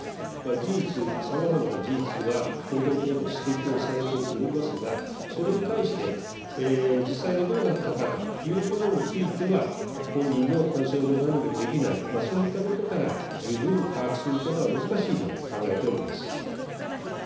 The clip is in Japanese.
事実、さまざまな事実は報道等で指摘をされておりますが、それに対して、実際はどうだったかということについては、本人の反証も何もできない、そういったことから、十分把握することは難しいと考えております。